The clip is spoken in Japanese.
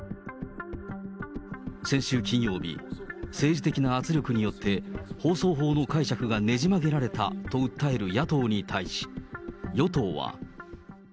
先週金曜日、政治的な圧力によって、放送法の解釈がねじ曲げられたと訴える野党に対し、与党は。